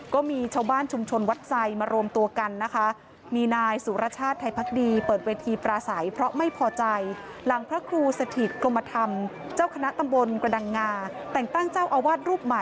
ก็มีชาวบ้านชุมชนวัดไซค์มารวมตัวกันนะคะ